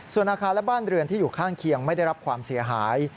ส่วนอาคารและบ้านเรือนที่อยู่ข้างเคียงไม่ได้รับความเสียหาย